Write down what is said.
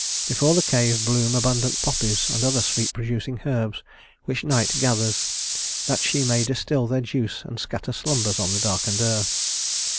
Before the cave bloom abundant poppies and other sleep producing herbs, which Night gathers, that she may distil their juice and scatter slumbers on the darkened earth.